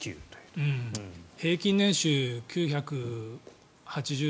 平均年収９８５万。